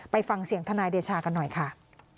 ไปฟังเสียงทนายเดชากันหน่อยค่ะ